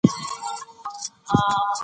ملا یو ډېر پراسرار غږ اورېدلی دی.